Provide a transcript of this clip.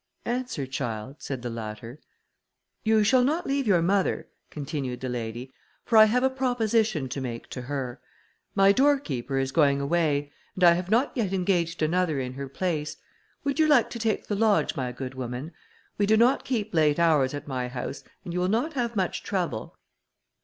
"Answer, child," said the latter. "You shall not leave your mother," continued the lady, "for I have a proposition to make to her. My doorkeeper is going away, and I have not yet engaged another in her place. Would you like to take the lodge, my good woman? We do not keep late hours at my house, and you will not have much trouble."